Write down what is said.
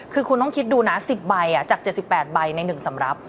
คือคุณต้องคิดดูนะ๑๐ใบจาก๗๘ใบใน๑สำรับ